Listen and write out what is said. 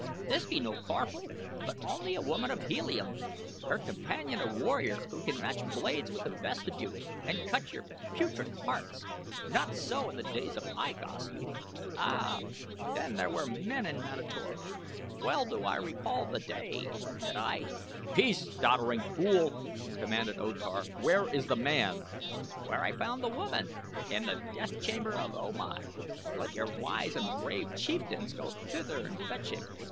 This be no Corphal, but only a woman of Helium; her companion a warrior who can match blades with the best of you and cut your putrid hearts. Not so in the days of I Gos' youth. Ah, then were there men in Manator. Well do I recall that day that I " "Peace, doddering fool!" commanded O Tar. "Where is the man?" "Where I found the woman in the death chamber of O Mai. Let your wise and brave chieftains go thither and fetch him.